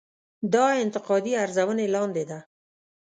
دا انتقادي ارزونې لاندې ده.